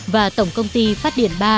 và tổng công ty phát điện ba